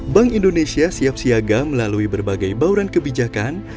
bank indonesia siap siaga melalui berbagai bauran kebijakan